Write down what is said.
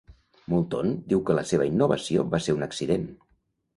Moulton diu que la seva innovació va ser un accident.